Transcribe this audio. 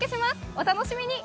お楽しみに！